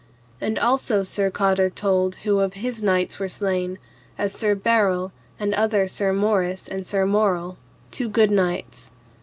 And also Sir Cador told who of his knights were slain, as Sir Berel, and other Sir Moris and Sir Maurel, two good knights.